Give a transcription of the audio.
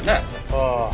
ああ。